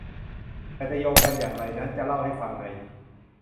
แต่จะโยงกันอย่างไรนั้นจะเล่าให้ฟังใน